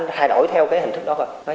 nó đã thay đổi theo cái hình thức đó rồi